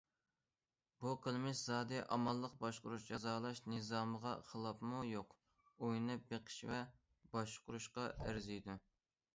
بۇ قىلمىش زادى ئامانلىق باشقۇرۇش جازالاش نىزامىغا خىلاپمۇ يوق؟ ئويلىنىپ بېقىش ۋە باشقۇرۇشقا ئەرزىيدۇ.